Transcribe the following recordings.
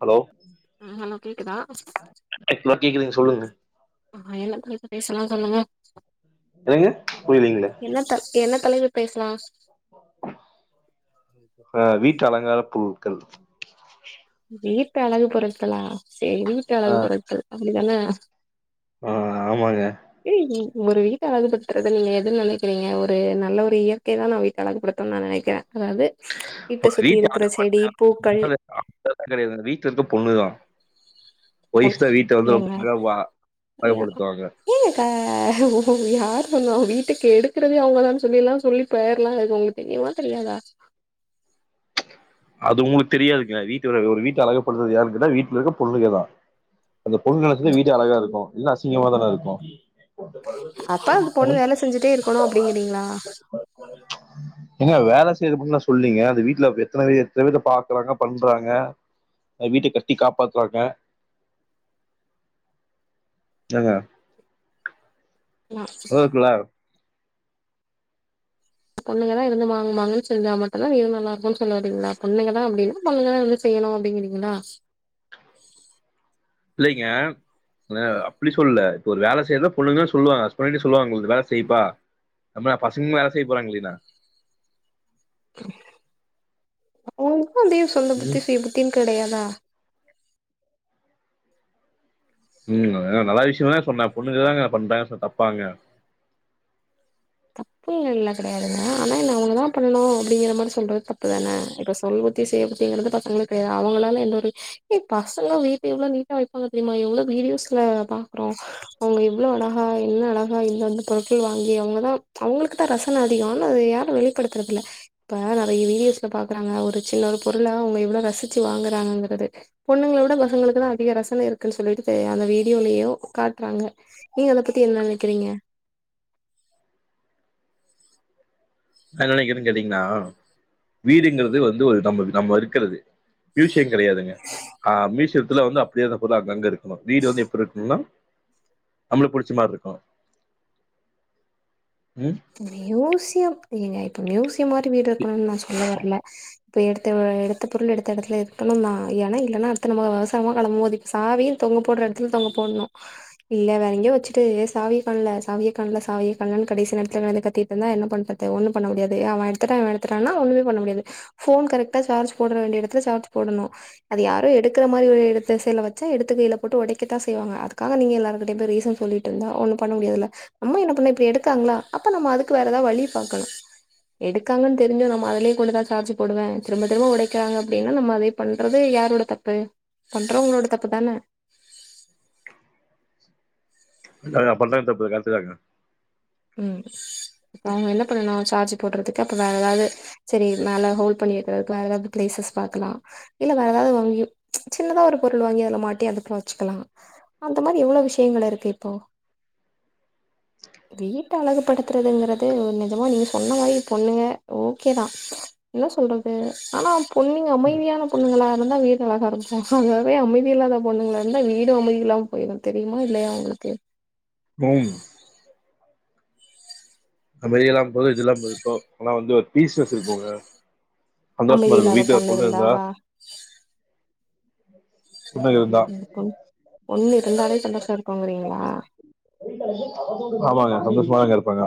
Hello hello கேக்குதா இப்பதா கேக்குதுங்க சொல்லுங்க ஆஹ் என்ன பத்தி பேசலாம் சொல்லுங்க என்னங்க புரியலீங்களே பேசலாஸ் ஆஹ் வீட்டு அலங்கார பொருட்கள் வீட்டு அழகு படுத்தலா சரி வீட்ட அழகு படுத்தலா நீங்க தானே ஆஹ் ஆமாங்க ஏய் ஒரு வீட்டைழகுபடுறது நீங்க எதுன்னு நினைக்கிறீங்க ஒரு நல்ல ஒரு இயற்கை தானே வீட்டு அழகுப்படுத்தும்னு நா நினைக்கிறே அதாவது வீட்ட ஒரு சுத்தி இருக்கிற செடி பூக்கள் கிடையாது வீட்டு்ல இருக்க பொண்ணுதா போ ஒய்ஃப் தா வீட்ட வந்து ரொம்ப ஏங்க அழகா அழகுபடுத்துவாங்க ஏங்கக்கா யார்ண்ண வீட்டு [unintelligible] வட்டுக்கு எடுக்கறதே அவங்கதான சொல்லில்லாம் சொல்லி போயிரலாம் அவங்களுக்கு தெரியுமா தெரியாதா அது உங்களுக்கு தெரியாதுங்க வீட்டு அழ ஒரு வீட்டை அழகப்படுறது யாருன்ன கேட்டா வீட்டுல இருக்க பொண்ணுகேதான் அந்த பொண்ணு நினச்சது வீட்டு அழகா இருக்கும் இல்லன அசிங் சிங்கமாதானே இருக்கும் அப்பாக்கு பொண்ணு வேலை செஞ்சுட்டே இருக்கணும் அப்படிங்கிறீங்களா சொன்னீங்க அது வீட்ல [inaudible] எத்தன எத்தன வித பாக்குறாங்க பண்றாங்க வீட்டை கட்டி காப்பாத்துவாங்க ஏங்க நா ஹ குலா பொண்ணுங்கதா இருந்து மாங்குமாங்கன்னு செஞ்சா மட்டுதான் வீடு நல்லா இருக்கும்ன்னு சொல்ல வறீங்களா பொண்ணுங்கதான் அப்படின்னா பொண்ணுல்லா இருந்து செய்யணும் அப்படிங்கிறீங்களா இல்லைங்க அப்டி சொல்லல இப்ப ஒரு வேலை செய்யறதா பொண்ணுங்கு சொல்லுவாங்க சொன்னிட்டு சொல்லுவாங்க வேலை செய்யப்பா அ பசங்கும் வேலை செய்ய போறாங்க இல்லையனா உ ந்தி சொந்த புத்தி ம் சுய புத்தின்னு கிடையாதா உம் ஏ நல்லா விஷய த சொன்னே பொண்ணுக்குதாங்க பண்றாங்கு சொன்ன தப்பாங்க தப்பு இல்ல கிடையாதுங்க ஆனா என்ன அவங்கதான் பண்ணணு அப்படிங்கிற மாதிரி சொல்றது தப்புதானே இப்ப சொல்பத்தி சுய புத்திங்கிறது பசங்களு கிடையாது அவங்களால எந்த ஒரு ஏ பசங்களு வீட்டு எவ்வளவு நீட்டா வைப்பாங்க தெரியுமா எவ்ளோ வீடியோஸ்ல பாக்குறோ அவங்க இவ்ளோ அழகா என்ன அழகா இந்தந்த பொருட்கள் வாங்கி அவங்கதான் அவங்களுக்கு தா ரசன அதிக ஆ அத யாரும் வெளிப்படுத்துறது இல்ல இப்ப நிறைய வீடியோஸ்ல பாக்குறாங்க ஒரு சின்னரு பொருளை அவங்க இவ்ளோ ரசிச்சு வாங்குறாங்கங்கிறது பொண்ணுங்களை விட பசங்களுக்குதா அதிக ரசன இருக்குன்னு சொல்லிட்டு அந்த வீடியோலயோ காட்டுறாங்க நீங்க அத பத்தி என்ன நினைக்கிறீங்க நா என்ன நினைக்கிறேன்னு கேட்டீங்கன்னா வீடுங்கிறது வந்து ஒரு நம்ம நம்ம இருக்கிறது ஃப்ச் கிடையாதுங்க ஆ மீஷல் இதுல வந்து அப்டியே இரு பொருளு அங்கங்க இருக்கணு வீடு வந்து எப்டி இருக்கணும்னா நம்மள பிடிச்ச மாதிரி இருக்கணு ம் யஊசிய அப்பங்க [unintelligible] நியூஸ் மாதிரி வீடு இருக்கணும்னு நான் சொல்ல வரல இப்போ எடுத்த எடுத்த பொருள் எடுத்த இடத்துல இருக்கணு தான் ஏன்னா இல்லைன்னா அடுத்த நம்ம அவசரமா கிளம்பும்போது இப்ப சாவியு தொங்க போடுற இடத்துல தொங்க போட்ணு இல்ல வேற எங்ககோ வச்சுட்டு ஏ சாவிய காண்ல சாவிய காண்ல சாவிய காண்லன்னு கடைசி நேரத் லந்து கத்திட்டு இருந்தா என்ன பண்ணறது ஒண்ணு பண்ண முடியாது அவன் எடுத்துட்ட அவன் எடுத்தட்டான ஒண்ணுமே பண்ண முடியாது போன் கரெக்டா சார்ஜ் போடற வேண்டிய இடத்துல சார்ஜ் போடணு அது யாரும் எடுக்கிற மாதிரி இடத்த ச வச்சா எடுத்து கையில போட்டு உடைக்கத்தான் செய்வாங்க அதுக்காக நீங்க எல்லாரு கிட்டய போய் ரீசன் சொல்லிட்டு இருந்தா ஒண்ணு பண்ண முடியாதுல்ல ம்மா என்ன பண்ண இப்ப எடுக்காங்களா அப்ப நம்ம அதுக்கு வேற ஏதாவது வழி பாக்கணும் எடுக்காங்கன்னு தெரிஞ்சு நம்ம அதுலயே கூள்ளதான் சார்ஜ் போடுவே திரும்ப திரும்ப உடைக்கிறாங்க அப்டின்னா நம்ம அதே பண்றது யாரோட தப்பு பண்றவங்களோட தப்பு தானே நா பண்றது தப்பு கரட்டு தாங்க உஹம் இப்ப அவங்க என்ன பண்ணணு சார்ஜ் போடுறதுக்கு அப்ப வேற ஏதாவது சரி மேல ஹோல்ட் பண்ணி வக்கறதுக்கு வேற ஏதாவது பிளேசஸ் பாக்கலாம் இல்ல வேற ஏதாவது வாங்கி சின்னதா ஒரு பொருள் வாங்கி அதுல மாட்டி அதுப்புற வச்சுக்கலா அந்த மாதிரி எவ்ளோ விஷயங்கள் இருக்கு இப்போ வீட்டை அழகுப்படுத்துறதுங்கறிறது நிஜமா நீங்க சொன்ன மாரி பொண்ணுங்க ஓகேதான் என்ன சொல்றது ஆனா பொண்ணுங்க அமைதியான பொண்ணுங்களா இருந்தா வீடு அழகா இருக்கு அதுவே அமைதி இல்லாத பொண்ணுங்களா இருந்தா வீடும் அமைதி இல்லாம போயிரும் தெரியுமா இல்லையா உங்களுக்கு [inaudible] நம்ம [unintelligible] போல இதில்லாம இருக்கோ ஆனா வந்து ஒரு பீசஸ் இருக்குங்க சந்தோஷமா இருக்கு அமைதியில்லாத வீட்ல ஒரு பொண்ணு இருந்த இருந்தா வா [inaudible] இருந்தா பொ ஒண்ணு கண்டாலே சந்தோஷம் இருக்குங்கிறீங்களா ஆமாங்க சந்தோஷமாதாங்க இருப்பாங்க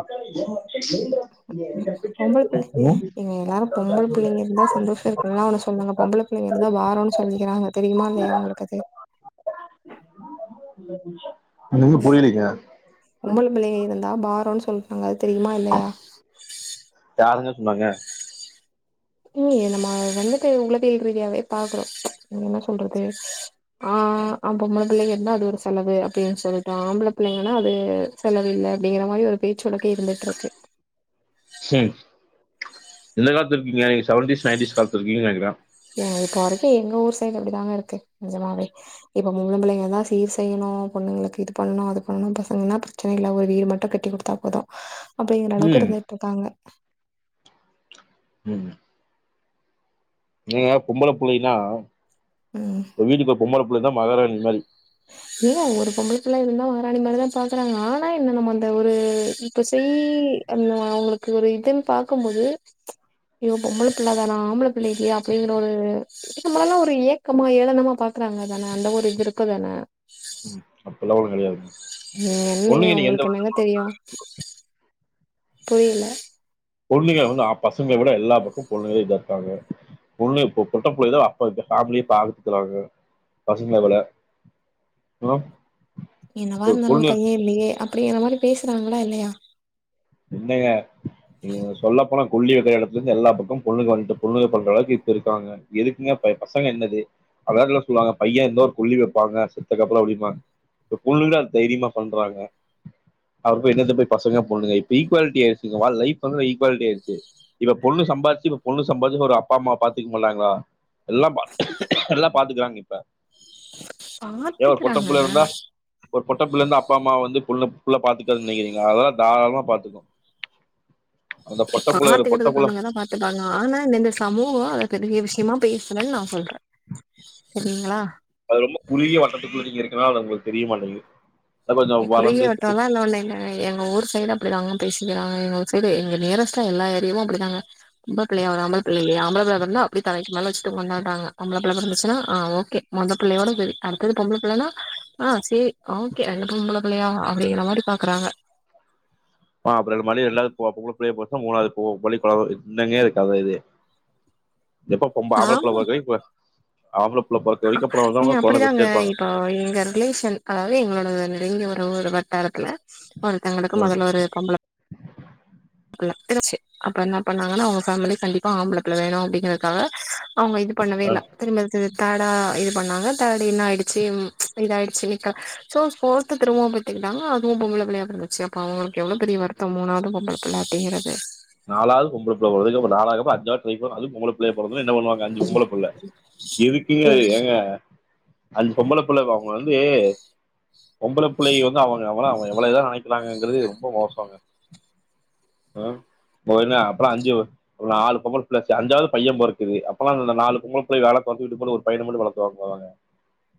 பொம்பள புள்ள ம்? ஏங்க எல்லாரு பொம்பள புள்ளைங்க இருந்தா சந்தோஷ [unintelligible] சொன்னாங்க பொம்பள புள்ளைங்க அதா வாரோன் சொல்லிக்கிறாங்க தெரியுமா இல்லையா உங்களுக்கு அது ஒன்னு புரியிலைங்க பொம்பள புள்ளைக இருந்தா பாரோன் சொல்டாங்க தெரியுமா இல்லையா யாருங்க சொன்னாங்க ம் நம்ம வந்துட்டு உளவியல் ரீதியாவே பாக்குறோ ம் என்ன சொல்றது ஆ அ பொம்பள புள்ளைக இருந்தா அது ஒரு செலவு அப்டின் சொல்ட்டு ஆம்பள புள்ளைங்கனா அது செலவு இல்ல அப்டிங்கிற மாரி ஒரு பேச்சு வழக்கே இருந்துட்ருக்கு சேரி எந்த காலத்துல இருக்கீங்க நீங்க செவன்டீஸ் நைன்டீஸ் காலத்துல இருக்கீங்க நெனைக்கிறே இப்போ வரைக்கு எங்க ஊர் சைடு அப்டித்தாங்க இருக்கு நெஜமாவே இப்ப பொம்பள புள்ளைங்கதா சீர் செய்ணு பொண்ணுங்களுக்கு இது பண்ணணு அது பண்ணணு பசங்கன்னா பிரச்சன இல்ல ஒரு வீடு மட்டு கட்டி குடுத்தா போது அப்டிங்கிற அளவுக்கு ம். இருந்துட்டு இருக்காங்க ம் நீங்க பொம்பள புள்ளைலா ம் ஒரு வீட்டுக்கு ஒரு பொம்பள புள் புள்ளதா மகாராணி மாரி ஏ ஒரு பொம்பள புள்ள இருந்தா மகாராணி மாரி தா பாக்கிறாங்க ஆனா என்ன நம்ம அந்த ஒரு இப்ப செய் அந்த அவங்களுக்கு ஒரு இதுன் பாக்குபோது அய்யோ பொம்பள புள்ள தானா ஆம்பள புள்ள இல்லையா அப்படிங்கிற ஒரு இது மாரில்லா ஒரு ஏக்கமா ஏளனமா பாக்குறாங்கதான அந்த ஒரு இது இருக்கு இப்பதான அப்பெல்லா ஒன்னு கெடையாது ம் இல்லைங்க உங்களுக்கு என்னங்க தெரியு புரியில பொண்ணுங்க வந்து அ பசங்கள விட எல்லா பக்கோ பொண்ணுகதா இத இருக்காங்க பொண்ணுக இப்ப பொட்ட புள்ளைக தா [unintelligible] ஃபேமிலிய பாத்துக்கிறாங்க பசங்கள விட ம் என்னவா இருந்தாலு ஒரு பையன் இல்லையே அப்படிங்கிற மாரி பேசுறாங்ளா இல்லையா இன்னங்க ஐயோ சொல்ல போனா கொல்லி வெக்கிற எடத்துலருந்து எல்லா பக்கோ பொண்ணுங்க வந்ட்டு பொண்ணுங்க பண்ற அளவுக்கு இப்ப இருக்காங்க எதுக்குங்க ப பசங்க என்னது அதாது என்ன சொல்லுவாங்க பைய இருந்தா ஒரு கொல்லி வெப்பாங்க செத்தக்கப்புறோ அப்டிபாங்க இப்ப பொண்ணுகளே அத் தைரியமா பண்றாங்க அப்ற போய் என்னத்த போய் பசங்க பொண்ணுக இப்ப ஈக்குவாலிட்டி ஆயிச்சுங்கம்மா லைஃப் வந்து ஈக்குவாலிட்டி ஆயிட்ச்சு இப்ப பொண்ணு சம்பாதிச்சு இப்ப பொண்ணு சம்பாதிச்சு ஒரு அப்பா அம்மாவ பாத்துக்க [unintelligible] எல்லாம் பாத் எல்லா பாத்துக்கறாங்க இப்ப ஏ ஒரு பொட்ட புள்ள பாத்துக்கிறாங்கங்க இருந்தா ஒரு பொட்ட புள்ள இருந்த அப் பா மா வந்து புள்ள பாத்துக்குறாது னு நெனைக்கிறிங்களா அதல்லா தாராளமாக பாத்து துக்கு பாத்துகுறது பொண்ணுங்கதா பாத்துப்பாங்க ஆனா இந்த இந்த சமூகோ அத பெரிய விஷயமா பேசலே நா சொல்றே சரிங்களா அது ரொம்ப குறுகிய வட்டத்துக்குள்ள நீங்க இருக்கனால அது உங்களுக்கு தெரிய மாட்டிங்குது இ குறுகிய வட்டம் எல்லா ஒண்ணு இல்லங்க. எங்க ஊர் சைட் அப்டிதாங்க. பேசிக்கிறாங்க. எங்க ஊர் சைட் எங்க நியரஸ்டா எல்லா ஏரியாவு அப்டிதாங்க. பொம்பள பிள்ளையோ ஆம்பள பிள்ளையோ. ஆம்பள பிள்ளை பொறந்தா அப்டி தலைக்கு மேல வச்சிட்டு கொண்டாட்றாங்க. ஆம்பள பிள்ள பிறந்துச்சுன்னா ஆஹ் ஓகே மொத பிள்ளையோட விதி அடுத்தது பொம்பள பிள்ளன்னா ஆஹ் செரி ஓகே அந்த இவ்ளோ புள்ளயா அப்டின்ற மாரி பாக்குறாங்க. ஆஹ் அப்றொ இத மாரி எல்லாரு பொம்பள பிள்ளையா போச்சுன்னா மூணாவது போவ கொள்ளி போடவா. என்னங்க கத இது? எப்பொ பொம்பள ஆம்பள பிள்ளை ஆமா பொறக்ற வரைக்கு ஆம்பள புள்ள பொறக்க வரைக்கு அப்புறம் வந்து அவங்க ஏங்க கொழந்த அப்டிதாங்க பெத்துட்டே இருப்பாங்க இப்போ எங்க ரிலேஷன் அதாவது எங்களோட அதத இங்க ஒரு ஒரு வட்டாரத்ல ஒருத்தங்ளுக்கு ம் மொதல்ல ஒரு பொம்பள அப்ப என்ன பண்ணாங்ன்னா அவங்க மிலி கண்டிப்பா ஆம்பலத்துல வேணு அப்டிங்கறதுக்காக அவங்க இது பண்ணவே ஆ இல்ல. திரும்ப அது திரு தாடா இது பண்ணாங்க. தேர்ட் என்னாட்ய்ச்சி? ம் இதாய்ட்ச்சி. ஸோ போர்த் திரும்பவு பெத்துக்கிட்டாங்க. அதுவு பொம்பள பிள்ளையா பிறந்திருச்சி. அப்றொ அவங்ளுக்கு பெரிய வருத்த மூணாவது பொம்பள பிளாட்டிகிறது அது பொம்பள பிள்ளையா பொறந்ததுனா என்ன பண்ணுவாங்க? அஞ்சு பொம்பள பிள்ள. எதுக்கீங்க இது ஏங்க? அஞ்சி பொம்பள பிள்ளை அவங்க வந்து பொம்பள பிள்ளைய இவங்க அவங்க எவ்வளவு இதா நெனைக்கிறாங்கறது ரொம்ப மோசங்க. அஹம் போதுன்ன அப்றொ அஞ்சி நாலு பொம்பள பிள்ள அஞ்சாவது பையன் பொறக்கிது. அப்பன்னா அந்த நாலு பொம்பள பிள்ளய வேலை பாத்துட் இது கூட ஒரு பையன மட்டு வளத்துவாங்க அவங்க.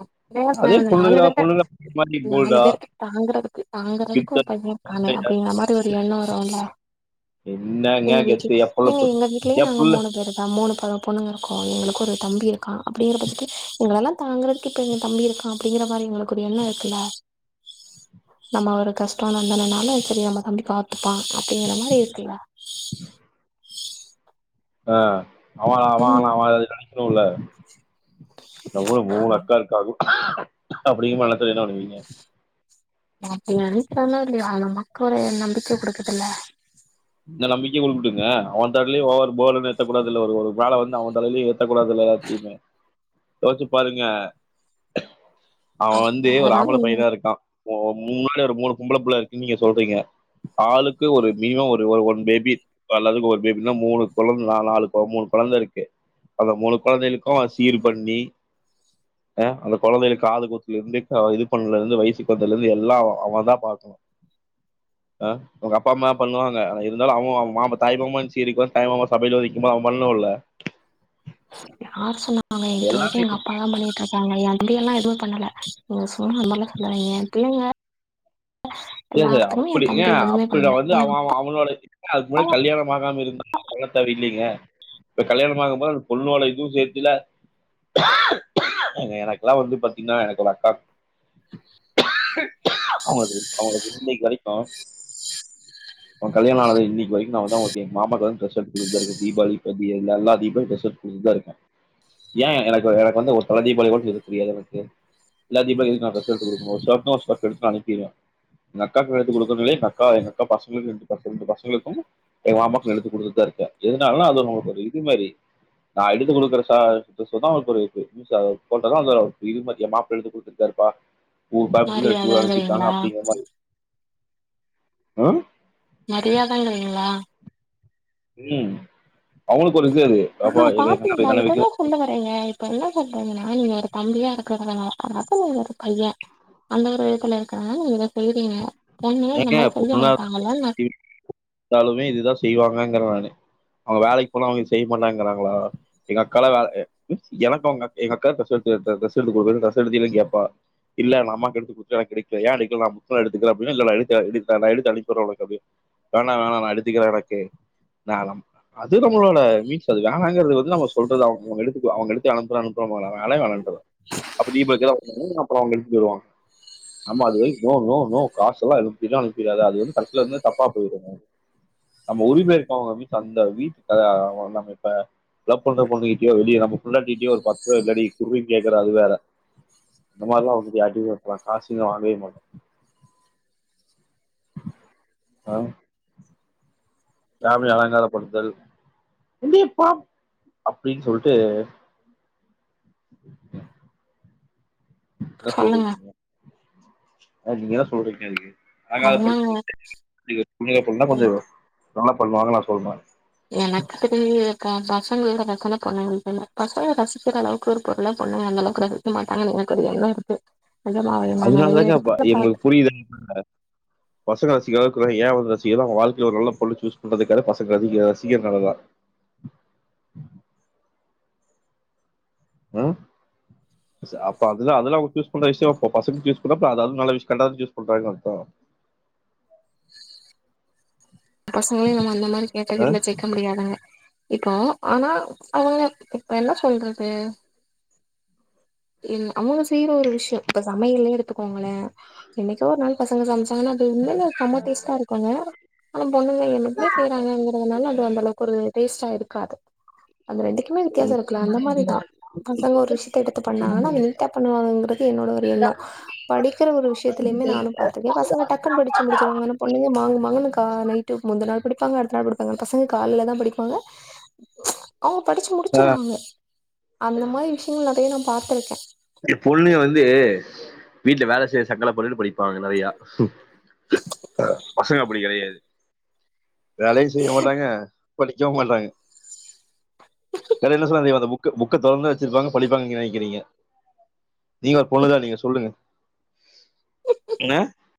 அப்டியா அந்த நாலு பேர்ட்ட, பொண்ணுங்களா மாதிரி நாலு போல்டா பேருக்கு தாங்குறதுக்கு தாங்குறதுக்கு கெத்தா ஒரு பையெ இருக்கான்னே அப்டிங்கற மாரி ஒரு எண்ணொ வருல்ல. என்னங்க எங்க வீட்ல கெத்து என் புள்ள ஏங்க பு எங்க வீட்லயு என் நாங்க புள்ள மூணு பேரு தா. மூணு ப பொண்ணுங்க இருக்கோ. எங்களுக்கு ஒரு தம்பி தம்பி இருக்கா. அப்டிங்கற பட்சத்துல எங்கள எல்லா தாங்கறதுக் இப்ப எங்க தம்பி இருக்கா அப்டிங்கற மாரி எங்ளுக் கொரு எண்ணொ இருக்குல்ல நம்ம ஒரு கஷ்டம் வந்தனுனால சரி நம்ம தம்பி பாத்துப்பா அப்டிங்கிற மாரி இருக்குல்ல. ஆஹ் அவனா அவெ ம் ஆளாவா எது நெனெக்க ணுல நம்ளு மூணு அக்கா இருக்காது அப்டி மலைச்சா என்ன பண்ணுவீங்க கூட அ நம்பிக்க குடுக்குதுல்ல இந்த நம்பிக்க [unintelligible] அவ தலலயிலே ஓவர் பர்டன் ஏத்தக் கூடாதுல்ல ஒரு ஒரு பாரோ வந்து அவந் தலையிலேயே ஏத் த்தக்கூடாதுல்ல எல்லாத்தியுமே தோச்சு பாருங்க அவன் வந்து ஒரு ஆம்பள அதனால பையனா இருக்கா இப்போ [unintelligible] ஒரு மூணு பொம்பள பிள்ள இருக்குன்னு நீங்க சொல்றீங்க ஆளுக்கு ஒரு மினிமம் ஒரு ட்டு ஒரு ஒன் பேபி ஆள் ஆளுக்கு ஒரு பேபின்னா மூணு கொழந் நா நாலு மூணு கொழந்த இருக்கு அந்த மூணு கொழந்தைகளுக்கு சீரு பண்ணி அ அந்த கொழந்தைகங்களுக்கு காது குத்தி இருந்து அ இது பண்லதுலந்து வயிசுக்கு வந்ததுலேந்து எல்லா அவ அவந்தா பாக்குவா அ அவங்க அப்பாமா பண்ணுவா ல இருந்தாலு அவங்க அவங் மாம தாய்மாம சீருக்குன் வந் தாய்மாமா சபையில வந் வெக்கிம்போது அவன் பண்ணோல்ல யார் சொன்னாங்க இது வரைக்கும் எங்க அப்பா தா பண்ணிட்ருக்காங்க என் அப்படியலா எதுவு பண்ணல நீங்க சும்மா அது மாரில்லா சொல்லாதீங்க பிள்ளைங்க சேரி சேரி எல்லாத்துக்குமே எ அப்புடி ஏ தம்பி எதுவுமே அப்புடி அவ பண்ணல வந்து ஏ அவ அவ அவனோட [unintelligible] அதுக்கு முன்ன கல்யாணம் ஆகாம இருந்தா [unintelligible] இல்லிங்க இப்ப கல்யாணம் ஆகும்போது அந்த பொண்ணோட இதுவு சேத்துல்ல எனக்குல்லா வந்து பாத்தீங்கன்னா எனக்கு ஒரு அக்கா அவங்க [unintelligible] அவங்களுக்கு இன்னைக்கி வரைக்கு அவ கல்யாணோ ஆனது இன்னிக்கு வரைக்கு நா வந்து அவங்களுக்கு எங் மாமாக்கு வர டிரஸ் எடுத் குடுத் தா இருக்கே தீபாவளி ப தி எல்லா தீப டிரஸ் குடுத்துட்தா இருக்க ஏன் எனக்கு எனக்கு வந்து ஒரு தல தீபாவளிக்கு எடுக் தெரியாது எனக்கு எல்லா தீபாவளிக்கும் நான் ஒரு ட்ரெஸ் எடுத்து குடுக்கும்போது [unintelligible] அனுப்பிடுவே எங்க அக்காக்கு எடுத்து குடுக்கதுனாலே எங்க அக்கா எங்க அக்கா பசங்களுக்கு [unintelligible] பசங்களுக்கும் எங்க மாமாக்கும் எடுத்து குடுத்துட்டுதா இருக்கே எதுனாலா அது [unintelligible] இது மாரி நான் எடுத்து குடுக்குற சா டிரஸ்சு அவருக்கு ஒரு இது [unintelligible] போட்டதா அந்த இது பாத்தியா எ மாப்ள எடுத்து குடுத்துருக்காருப்பா உங்க ஃபேமிலில எடுத்து அனுப்பிருக்காங்க மரியாதங்கிறீங்களா அப் [unintelligible] அ மரியாதங்குறிங்களா ம் அவங்களுக் ஆனா பாத்தீங்களா இததா சொல்ல வரேங்க இப்பல்லா சொல்றங்க நானு என்னோட தம்பியா இருக்கிறத [unintelligible] ஒரு பையன் அந்த ஒரு இடத்துல இருக்குறவ [unintelligible] ஏங்க [unintelligible] ந்தாலுமே இதுதா செய்வாங்கங்கிறே நானு அவங்க வேலைக் போனா அவங்க செய்ய மாட்டாங்குறாங்களா எங்க அக்காலா வேல எ ம் எனக்கு அவங்க அக் எங்க அக்கா ட்ரெஸ் எடுத்து த ட்ரெஸ் குடுக்கு ட்ரெஸ் எடுத்திங்களே கேப்பா இல்ல நா அம்மாக்கு எடுத்து குடுத்தே ஏனக் எடுக்கலையா [unintelligible] நா முத்தோ எடுத்துக்குறே [unintelligible] எடுத்து அனுப்பி உட்ர உனக்கு அப்டின் வேணா வேணா நா எடுத்துக்குற எனக்கு நாலம் அது நம்பளோட மீன்ஸ் அது வேணாங்குறது வந்து நம்ம சொல்றது [unintelligible] வேலே வேணான்ட்ருவ [unintelligible] ஆமா அது வை நோ நோ நோ காசுல்லா அனுப்பிலா அனுப்பிறாத அது வந்து கடைசில வந்து தப்பா போய்டுங்க நம்ம உரிம இருக்கவங்க வீட்ல அந்த வீட் [unintelligible] நம்ம இப்ப லவ் பண்ற பொண்ணுக்கிட்டயோ வெளிய நம்ப பொண்டாட்டி கிட்டோ ஒரு பத்து ரூபா இந்தாடி குட்றி கேக்குற அது வேற இந்த மாரில்லா வந்து யார்டயு கேக்மா காசுங்க வாங்கவே மாட்ட ஆ ஃபேமிலி அலங்காரப்படுத்துதல் [unintelligible] அப்புடின்னு சொல்ட்டு என்ன சொல்றது சொல்லுங்க [inaudible] அ நீங்க என்ன சொல்றீங்க அதுக்கு அதுதாங்க [unintelligible] கொஞ்சோ [unintelligible] நா சொல்றே எனக்கு தெரியல க பசங்கல [unintelligible] பொண்ணுங்களுக் இல்ல பசங்க ரசிக்கிற அளவுக்கு ஒரு பொருளா பொண்ணுங்க அந்த அளவுக்கு ரசிக்க மாட்டாங்கன்னு எனக்கு ஒரு எண்ணோ இருக்கு நெஜமாவே நா அதுனால நெறைய தாங்க ப இடத்துல எங்குளுக்கு பாக்குறே புரியுது [unintelligible] பசங்க [unintelligible] அவங்க வாழ்க்கையில ஒரு நல்ல பொண்ணு பண்றதுகாக பசங்க அதிக [unintelligible] ம் ஸ் அப்ப அதுதா அதெல்லா அவங்க சூஸ் பண்ற விஷயோ அப்போ பசங்க சூஸ் பண்ணா அப்ப அத அது நல்ல விஷயம் கர்ட்டாதா சூஸ் பண்றாங்கனு அர்த்தோ பசங்களையு நம்ம அந்த மாரி கேட்டகிரில சேக்க முடியாதுங்க இப்போ ஆனா அவங்க இப்ப என்ன சொல்றது அவங்க செய்யற ஒரு விஷயம் இப்ப சமையல்லயே எடுத்துக்கோங்களேன் என்னைக்கோ ஒரு நாள் பசங்க சமச் ஆனா அது உண்மைலே செம டேஸ்ட்டா இருக்கும்ங்க ஆனா பொண்ணுங்க என்னைக்குமே செய்யறாங்ககுறதால அது அந்தளவுக்கு ஒரு டேஸ்ட்டா இருக்காது அது ரெண்டுக்குமே வித்தியாசம் இருக்குல அந்த மாதிரிதான் பசங்க ஒரு விஷயத்த எடுத்து பண்ணாங்கன்னா அதை நீட்டா பண்ணுவாங்ககிறது என்னோட ஒரு எண்ணம் படிக்கிற ஒரு விஷயத்தலயுமே நானும் பா்த்திருக்கேன் பசங்க டக்குன்னு படிச்சு முடிச்சடுவாங்க பொண்ணுங்க மாங்கு மாங்குனு நைட்டு முந்த நாள் படிப்பாங்க அடுத்த நாள் படிப்பாங்க ஆன பசங் காலைலதா படிப்பாங்க அவ்ங் படிச்சி முடிச்சிருங்க அந்த மாதிரி விஷ்ங்ள வேணா பாத்ருக்கே பொண்ணுங்க வந்து வீட்ல வேல செய்ய சங்கடப்பட்க்ட்டு படிப்பாங்க நெறயா பசங்க அப்டி கெடையாது வேலயு செய்ய மாட்டாங்க படிக்கவு மாட்டாங் வேற என்ன சொல்வாங்க தெரியுமா அந்த புக் புக்க தொரந்தா வச்சிருப்பாங்க படிப்பாங்க நெனைக்கிறீங்க நீங்க ஒரு பொண்ணுதா நீங்க சொல்லுங்க ம் அ